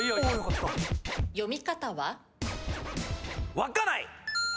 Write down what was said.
わっかない。